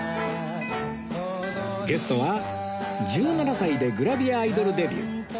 ゲストは１７歳でグラビアアイドルデビュー